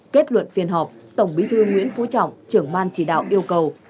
kết luận phiên họp tổng bí thư nguyễn phú trọng trưởng ban chỉ đạo yêu cầu